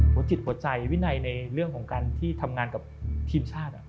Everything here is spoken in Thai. หัวจิตหัวใจวินัยในเรื่องของการที่ทำงานกับทีมชาติ